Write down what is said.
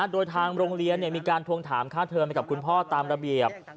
โดยทางโรงเรียนมีการทวงถามค่าเทิมไปกับคุณพ่อตามระเบียบ